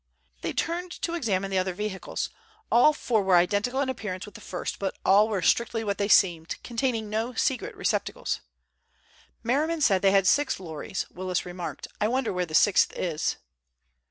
They turned to examine the other vehicles. All four were identical in appearance with the first, but all were strictly what they seemed, containing no secret receptacle. "Merriman said they had six lorries," Willis remarked. "I wonder where the sixth is."